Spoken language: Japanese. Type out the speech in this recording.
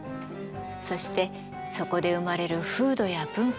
そしてそこで生まれる風土や文化。